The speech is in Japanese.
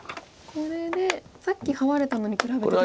これでさっきハワれたのに比べて。